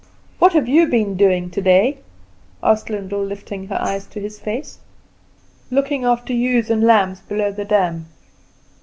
"What have you been doing today?" asked Lyndall, lifting her eyes to his face. "Looking after ewes and lambs below the dam.